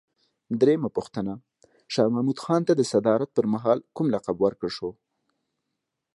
درېمه پوښتنه: شاه محمود خان ته د صدارت پر مهال کوم لقب ورکړل شو؟